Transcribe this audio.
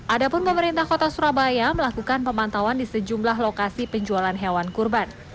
adapun pemerintah kota surabaya melakukan pemantauan di sejumlah lokasi penjualan hewan kurban